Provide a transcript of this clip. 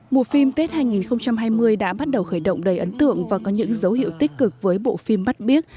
mùa phim tết hai nghìn hai mươi đã bắt đầu khởi động đầy ấn tượng và có những dấu hiệu tích cực với bộ phim bắt biết